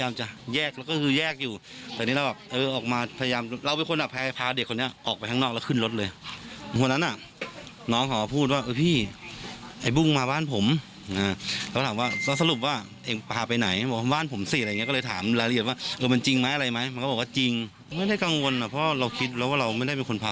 ไม่ต้องกังวลนะเพราะเราคิดแล้วว่าเราไม่ได้เป็นคนพาเขามาทำ